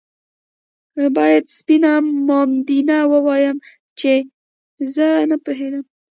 باید سپينه مامدينه ووايم چې زه نه پوهېدم